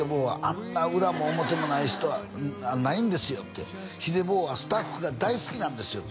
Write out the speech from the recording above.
「あんな裏も表もない人はないんですよ」って「ヒデ坊はスタッフが大好きなんですよ」